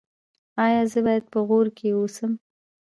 ایا زه باید په غور کې اوسم؟